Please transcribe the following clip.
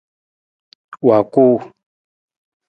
Wa kuu.